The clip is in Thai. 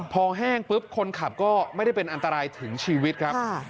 พอแห้งปุ๊บคนขับก็ไม่ได้เป็นอันตรายถึงชีวิตครับ